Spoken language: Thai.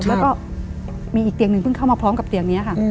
แล้วก็มีอีกเตียงหนึ่งเพิ่งเข้ามาพร้อมกับเตียงนี้ค่ะ